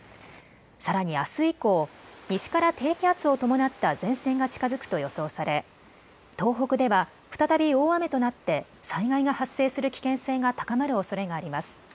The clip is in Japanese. さらにあす以降、西から低気圧を伴った前線が近づくと予想され東北では再び大雨となって災害が発生する危険性が高まるおそれがあります。